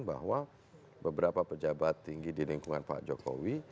bahwa beberapa pejabat tinggi di lingkungan pak jokowi